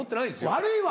悪いわ！